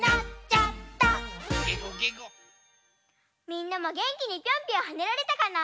みんなもげんきにピョンピョンはねられたかな？